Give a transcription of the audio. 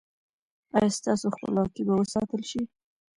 ایا ستاسو خپلواکي به وساتل شي؟